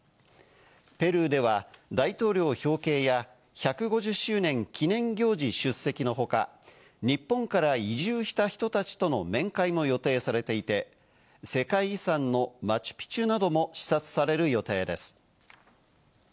ペルーでは大統領表敬や、１５０周年記念行事出席のほか、日本から移住した人たちとの面会も予定されていて、世界遺産のマチュピチュなども視察される予定です。